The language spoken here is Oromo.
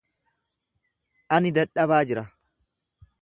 Ani dadhabaa jira.